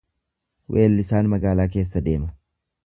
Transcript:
Weellisaan magaalaa keessa deema.